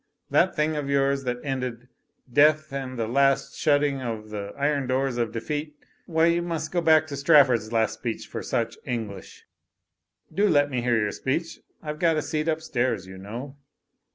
That thing of yours that ended, 'death and the last shutting of the iron doors of defeat' — ^Why you must go back to Strafford's last speech for such English. Do let me hear your speech ! I've got a seat upstairs, you know.''